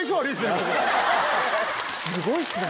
すごいっすね。